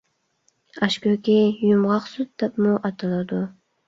ئاشكۆكى «يۇمغاقسۈت» دەپمۇ ئاتىلىدۇ.